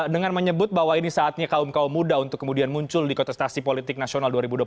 dengan menyebut bahwa ini saatnya kaum kaum muda untuk kemudian muncul di kontestasi politik nasional dua ribu dua puluh